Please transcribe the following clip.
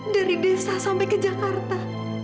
dari desa sampai ke jakarta